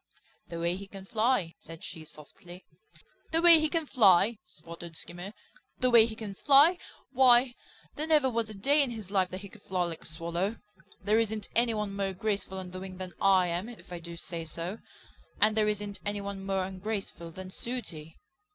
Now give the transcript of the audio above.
"The way he can fly," said she softly. "The way he can fly!" sputtered Skimmer, "The way he can fly! Why, there never was a day in his life that he could fly like a Swallow. There isn't any one more graceful on the wing than I am, if I do say so. And there isn't any one more ungraceful than Sooty."